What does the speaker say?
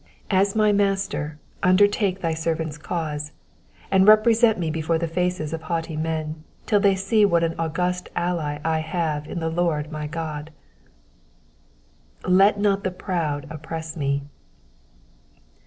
As my Master, undertake thy servants' cause, and represent me before the faces of haughty men till they see what an august ally I have in the Lord my God. ^^Let not the proud oppress fne."